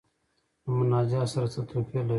له مناجات سره څه توپیر لري.